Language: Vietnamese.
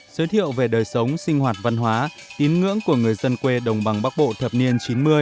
giới thiệu về đời sống sinh hoạt văn hóa tín ngưỡng của người dân quê đồng bằng bắc bộ thập niên chín mươi